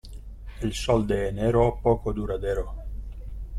El sol de enero poco duradero.